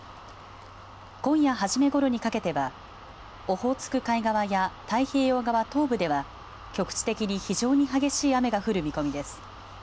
今夜初めごろにかけてはオホーツク海側や太平洋側東部では局地的に非常に激しい雨が降る見込みです。